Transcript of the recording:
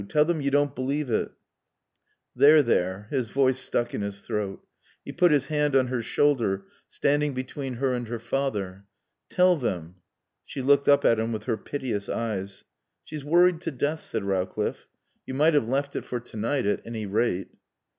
Tell them you don't believe it." "There there " His voice stuck in his throat. He put his hand on her shoulder, standing between her and her father. "Tell them " She looked up at him with her piteous eyes. "She's worried to death," said Rowcliffe. "You might have left it for to night at any rate."